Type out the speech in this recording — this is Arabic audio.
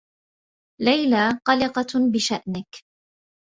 ليلى قلقة بشأنك.